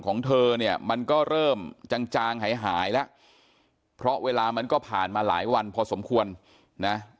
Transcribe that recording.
ของเธอเนี่ยมันก็เริ่มจางจางหายหายแล้วเพราะเวลามันก็ผ่านมาหลายวันพอสมควรนะ